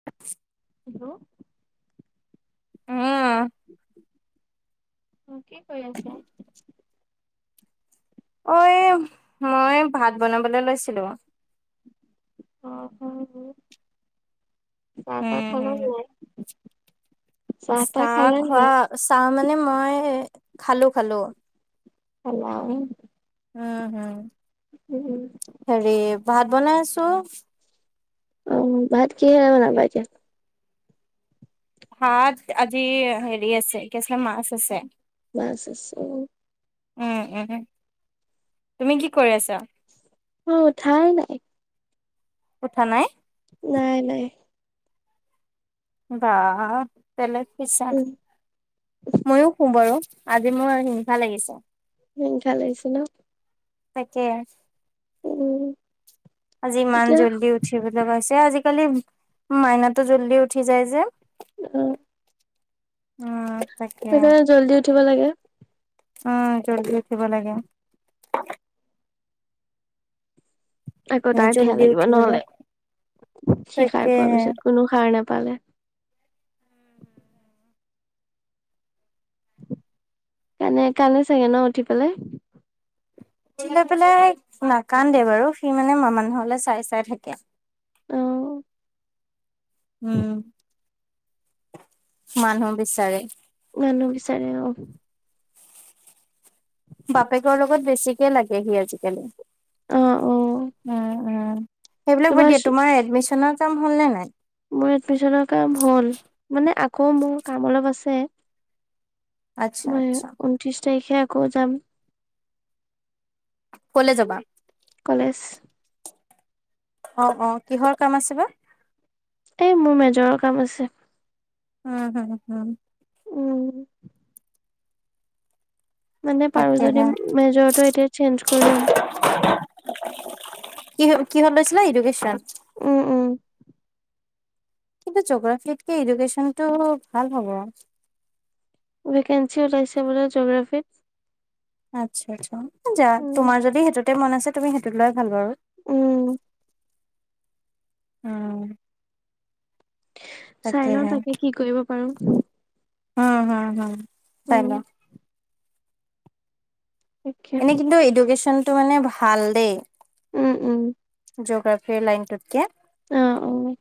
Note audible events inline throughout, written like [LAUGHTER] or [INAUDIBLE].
[UNINTELLIGIBLE] Hello? উম। উম কি কৰি আছা? অ', এই মই ভাত বনাবলৈ লৈছিলোঁ। অ [UNINTELLIGIBLE] চাহ তাহ উম, খালা হুম। নাই, চাহ টাহ খালা নাই? চাহ মানে মই খালোঁ-খালোঁ। [UNINTELLIGIBLE] উম-হুম। উম-হুম। হেৰি ভাত বনাই আছোঁ। উম, ভাত কিহেৰে বনাবা এতিয়া? ভাত আজি হেৰি আছে কেছা মাছ আছে। মাছ আছে অ'। উম-উম, তুমি কি কৰি আছা? মই উঠাই নাই। উঠা নাই? নাই-নাই। বাহ বেলেগ শুইছা, উম মইয়ো শুও বাৰু। আজি মোৰ হিংসা লাগিছে। হিংসা লাগিছে ন? তাকে। উম। আজি ইমান এতিয়া জল্দি উঠিবলৈ হৈছে, আজিকালি মাইনাতো জল্দি উঠি যায় যে। উম। উম, তাকে। সেইকাৰণে জল্দি উঠিব লাগে। উম, জল্দি উঠিব লাগে। আকৌ তাৰ ধেয়া জল্দি লাগিব উঠি গ'লো নহলে, শি খাৰ পোৱাৰ তাকেহে। পিছত কোনো সাৰ নাপালে। কনে কান্দে চাগে ন উঠি পেলাই? লৈ পেলাই নাকান্দে বাৰু সি মানে মানুহলৈ চাই-চাই থাকে। অ উম, মানুহ বিচাৰে। মানুহ বিচাৰে অ'। [INAUDIBLE] বাপেকৰ লগত বেছিকে লাগে সি আজিকালি, অ অ উম-উম। সেইবিলাক বাদ দিয়া তোমাৰ এডমিশনৰ কাম হ'ল নে নাই? মোৰ এডমিশনৰ কাম হ'ল। মানে আকৌ মোৰ কাম অলপ আছে। আচ্ছা মই আচ্ছা ঊনত্ৰিশ তাৰিখে আকৌ যাম। কলে যাবা? কলেজ। অ', অ', কিহৰ কাম আছে বা? এই মোৰ মেজৰৰ কাম আছে। উম হুম-হুম। উম। মানে পাৰো যদি তাকেহে মেজৰটো এতিয়া চেঞ্জ কৰি ল'ম। কিহত-কিহত লৈছিলে ইডুকেশচন? উম-উম। কিন্ত জগ্ৰাফীতকে ইডুকেশ্বনটো ভাল হব। ভেকেঞ্চি ওলাইছে বোলে জ'গ্ৰাফিৰ। আচ্ছা-আচ্ছা যা উম তোমাৰ যদি সেইটোতে মন আছে তুমি সেইটোত লোৱাই ভাল বাৰু। উম। উম। চাই লওঁ তাকেহে তাকে কি কৰিব পাৰোঁ। উম হম-হম, চাই উম লোৱা। তাকে এনেই কিন্তু এডুকেশ্যনটো মানে ভাল দেই। উম-উম। জিঅোগ্ৰাফিৰ লাইনটোত কেই। অ', অ'।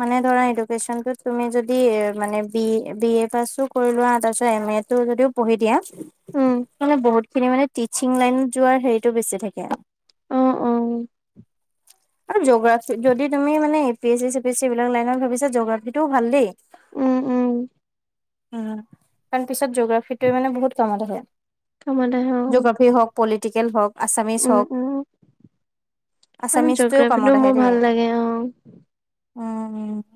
মানে ধৰা এডুকেচন টোত তুমি যদি মানে বি এ-বি এ পাছো কৰি লোৱা তাৰপিছত এম এ তটো যদিও পঢ়ি উম দিয়া মানে বহুত খিনি মানে টিচিং লাইন যোৱাৰ হেৰিতটো বেছি থাকে। অ', অ'। আৰু জগ্ৰাফি যদি তুমি মানে AP S C C PS C এইবিলাক লাইনত ভাবিছা জোগ্ৰাফি টো ভাল দেই। উম-উম। উম, কাৰণ পিছত জগ্ৰাফিটোৱে মানে বহুত কামত আহে। কামত আহে অ জগ্ৰাফী হওঁক, পলিটিকেল হওঁক, আছামিছ উম হওঁক উম মানে আছামিছটোৱেও জগ্ৰাফিটো কামত আহে মোৰ দেই, ভাল লাগে অ উম-উম।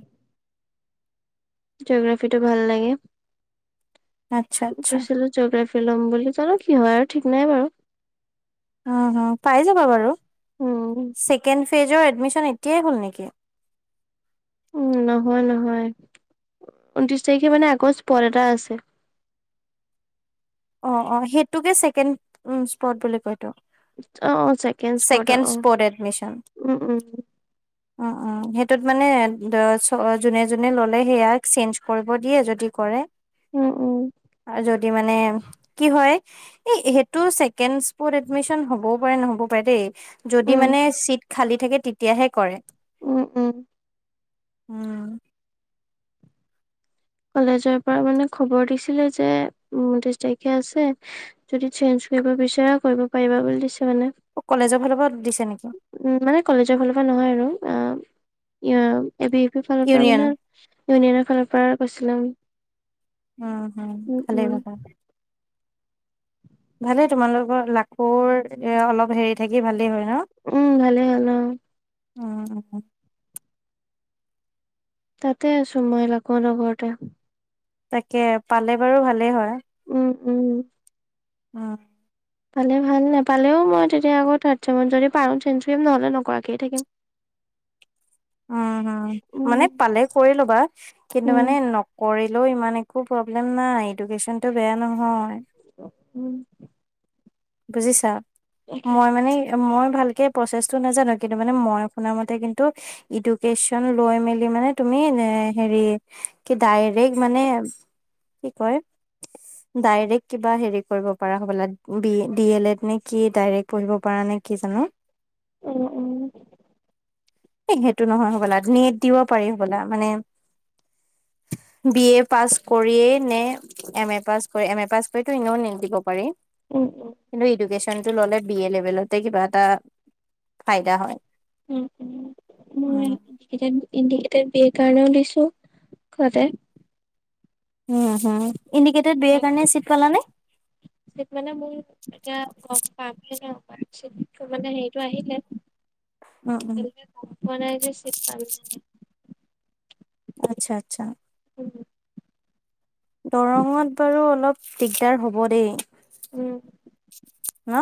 জিঅ'গ্ৰাফি টো ভাল লাগে। আচ্ছা-আচ্ছা। জঅ'গ্ৰাফি ল'ম বুলি জানোঁ কি হয় আৰু ঠিক নাই বাৰু। উম-হুম, পাই যাবা বাৰু। উম। ছেকেণ্ড ফেজৰ এডমিশ্যন এতিয়াই হ'ল নেকি? নহয়-নহয়, ঊনত্ৰিশ তাৰিখে মানে আকৌ স্পট এটা আছে। অ', অ', সেইটোকে চছেকেণ্ড উম স্পট বুলি কয়তো। অ', অ', চছেকেণ্ড স্পট ছেকেণ্ড অ', স্পট এডমিশ্যন উম-উম। অ', অ', সেইটোত মানে যোনে-যোনে ললে সেয়া চেঞ্জ কৰিব দিয়ে যদি কৰে। উম-উম। যদি মানে কি হয়, এই সেইটো ছেকেণ্ড স্পট এডমিশ্যন হবও পাৰে নহ'ব পাৰে দেই, যদি উম মানে চিট খালী থাকে তেতিয়াহে কৰে। উম-উম। উম। কলেজৰ পৰা মানে খবৰ দিছিলে যে, ঊনত্ৰিশ তাৰিখে আছে। যদি চেঞ্জ কৰিব বিচৰা কৰিব পাৰিবা বুলি দিছে মানে। অ', কলেজৰ ফালৰ পৰা দিছে নেকি? উম মানে কলেজৰ ফালৰ পৰা নহয় আৰু, উম এ বি এ পি ফালৰ পৰা ইউনিয়ন মানে ইউনিয়নৰ ফালৰ পৰা কৈছিলে আৰু। উম-হম, ভালে কথা। ভালেই তোমালোকৰ লাখুৰ এয়া অলপ হেৰিত থাকি ভালেই হয় ন? [INAUDIBLE] উম ভালে হ'ল অ তাতে আছোঁ মই লাকৰ লগতে। তাকে পালে বাৰু ভালে হয়। উম-উম। অ'। পালে ভাল নাপালেও মই তেতিয়া আকৌ থাৰ্ড চেমত যদি পাৰোঁ চেঞ্জ কৰিম, নহ'লে নকৰাকেই থাকিম। [INAUDIBLE] উম-হুম। মানে উম পালে কৰি ল'বা। কিন্তু উম মানে নক্‌ কৰিলেও ইমান একো প্ৰব্লেম নাই এডুকেশ্যনটো বেয়া নহয়। উম। বুজিছা? তাকে মই মানে মই ভালকে প্ৰচেছটো নাজানোঁ। কিন্তু মানে, মই শুনা মতে কিন্তু এডুকেশচন লৈ মেলি মানে তুমি এনে হেৰি কি ডাইৰেক্ট মানে কি কয় ডাইৰেক্ট কিবা হেৰি কৰিব পৰা হবলা, B A D El Ed নে কি ডাইৰেক্ট পঢ়িব পৰা নে কি জানো? উম-উম। এই সেইটো নহয় হ'বলা নেট দিব পাৰি হ'বলা মানে বি এ পাছ কৰিয়ে নে এম এ পাছ কৰি এম এ পাছ কৰিতো ইনেও নেট দিব পাৰি। উম। কিন্তু এডুকেশ্যনটো ল'লে বি এ লেভেলতে কিবা এটা ফাইদা হ'য়। উম-উম। উম ৰিচেণ্ট ইণ্ডিকেটেড বি এৰ কাৰণেও দিছোঁ, ঘৰতে। উম-হুম, ইণ্ডিকেটত বি এ কাৰণে চিট পালা নে? চিট মানে মোৰ এতিয়া গম পামেহে ন', মানে চিট্‌টো মানে হেৰিটো আহিলে। উম উম এতিয়ালৈকে গমপোৱা নাই যে চিট পালোঁ নাই। আচ্ছা-আচ্ছা। উম। দৰঙত বাৰু অলপ দিগ্‌দাৰ হ'ব দেই। উম। হা?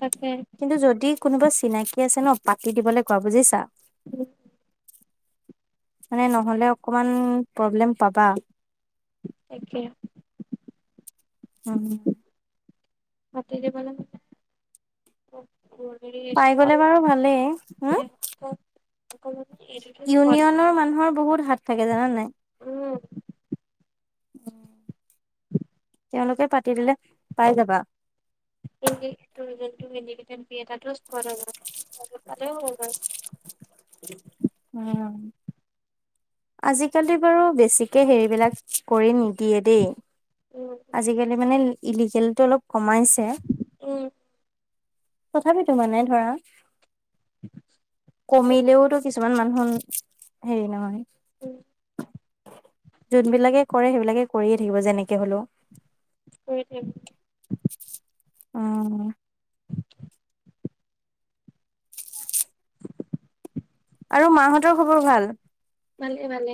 তাকে। কিন্তু যদি কোনোবা চিনাকি আছে ন', পাতি দিবলে কোৱা বুজিছা? [INAUDIBLE] মানে নহ'লে অকমান প্ৰব্লেম পাবা। তাকে। উম। পাতি দিবলে। পাই গ'লে বাৰু ভালেই, উম। অ'। [UNINTELLIGIBLE] ইউনিয়নৰ মানুহৰ বহুত হাত থাকে জানা নাই। উম। [INAUDIBLE] তেওঁলোকে পাতিদিলে পাই যাবা। [UNINTELLIGIBLE] দুই এটাটো স্পটৰ হ'য়, সেইটোত পালে হ'ব বাৰু। উম। আজিকালি বাৰু বেছিকে হেৰিবিলাক কৰি নিদিয়ে দেই। উম। আজিকালি মানে ইলিগেলটো অলপ কমাইছে। উম তথাপিটো মানে ধৰা, কমিলেওটো কিছুমান মানুহ হেৰি নহয়। উম। যোনবিলাকে কৰে সেইবিলাকে কৰিয়ে থাকিব, যেনেকে হ'লেও। কৰি থাকিব উম। আৰু মাহঁতৰ খবৰ ভাল। ভালে- ভালে।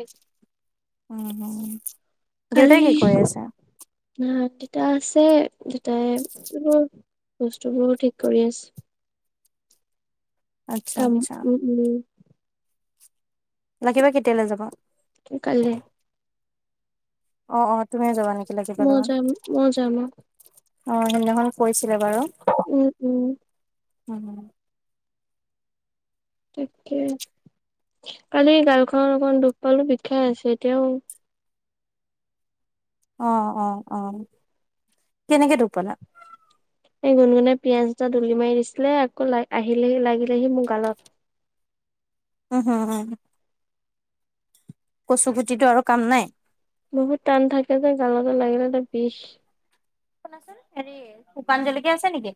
উম, হম। কালি নাই, দেতা আছে, দেতাই কিবা বস্তুবোৰ ঠিক কৰি আছে। আচ্ছা কাম, আচ্ছা উম, উম। লাকী বা কেতিয়ালে যাব। উম, কাইলে। অ', অ', তুমিও যাবা নেকি লাকী বা ময়ো লগত। যাম ময়ো যাম উম অ', সেইদিনাখন কৈছিলে বাৰু। উম, উম। উম, হম। তাকে, কালি গালখনত অকমান দুখ পালো বিষাই আছে এতিয়াও। অ', অ', অ', কেনেকে দুখ পালা। এই গুণগুনে পিয়াজ এটা দলি মাৰি দিছিলে, আকৌ লা আহিলেহি লাগিলেহি মোৰ গালত। উম, হম, কচু গুটিটো আৰু কাম নাই। বহুত টান থাকে যে, গালতে লাগিলে এতিয়া বিষ। শুনাচোন, হেৰি শুকান জলকীয়া আছে নেকি,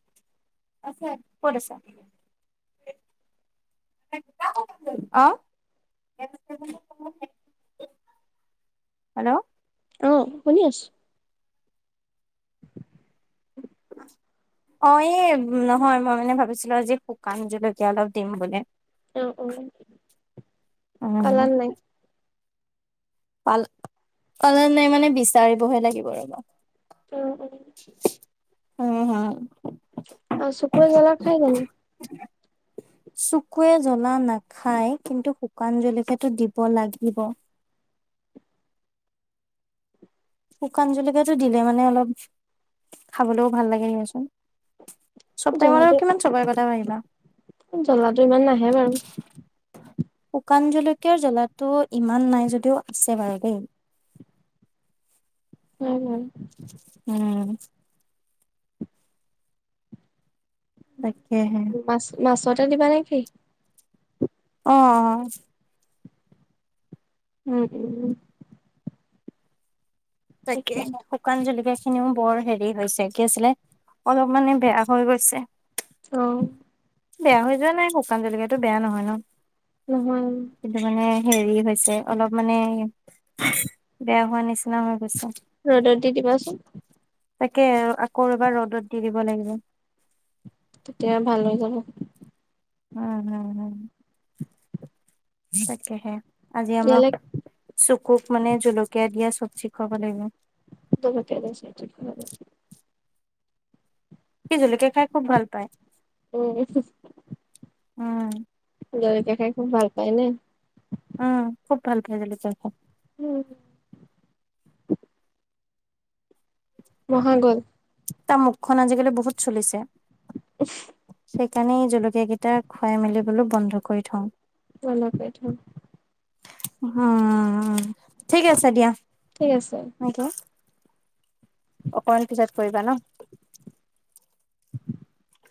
আছে, ক'ত আছে। [INAUDIBLE] [UNINTELLIGIBLE] অ', [UNINTELLIGIBLE] হেল্ল'। অ', শুনি আছোঁ। [INAUDIBLE] অ', এই নহয় মই মানে ভাবিছিলো আজি শুকান জলকীয়া অলপ দিম বুলি। অ', অ', উম। পালা নাই। পাল, পালা নাই মানে বিচাৰিবহে লাগিব আৰু। উম, উম। উম, হম। আৰু চুকুৱে জলা খাই জানো। [INAUDIBLE] চুকুৱে জ্বলা নাখাই, কিন্তু শুকান জলকীয়াটো দিব লাগিব। শুকান জলকীয়াটো দিলে মানে অলপ, খাবলেও ভাল লাগে দিয়াচোন। চব টাইমতে জ্বলাটো কিমান চবৰে কথা ভাবিবা। জ্বলাটো ইমান নাহে বাৰু। শুকান জলকীয়াৰ জ্বলাটো ইমান নাই যদিও আছে বাৰু দেই। উম, উম। উম। তাকেহে। মাছ মাছতে দিবা নে কি। অ', অ', অ'। উম, উম। তাকে তাকেহে। শুকান জলকীয়াখিনিও বৰ হেৰি হৈছে কি আছিলে, অলপ মানে বেয়া হৈ গৈছে। অ'। বেয়া হৈ যোৱা নাই শুকান জলকীয়াটো, বেয়া নহয় ন। নহয়। কিন্তু মানে হেৰি হৈছে, অলপ মানে বেয়া হোৱা নিচিনা হৈ গৈছে। ৰ'দত দি দিবাচোন। তাকে, আকৌ ৰ'বা ৰ'দত দি দিব লাগিব। তেতিয়া ভাল হৈ যাব। উম, হম, হম। তাকেহে, আজি ইয়ালে আমাৰ চোকুক মানে জলকীয়া দিয়া চবজি খুৱাব লাগিব। [UNINTELLIGIBLE] সি জলকীয়া খাই খুব ভাল পায়। উম, [UNINTELLIGIBLE] উম। জলকীয়া খাই খুব ভাল পায় নে। উম, খুব ভাল পাই জলকীয়া খাই। উম। মোৰ হৈ গ'ল। তাৰ মুখখন আজিকালি বহুত চলিছে। [UNINTELLIGIBLE] সেইকাৰণে এই জলকীয়াকেইটা খুৱাই মেলি বুলো বন্ধ কৰি থওঁ। [UNINTELLIGIBLE] উম, ঠিক আছে দিয়া। ঠিক আছে। [UNINTELLIGIBLE] অকমান পিছত কৰিবা ন। [INAUDIBLE]